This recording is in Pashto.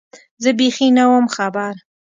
زه بېخي نه وم خبر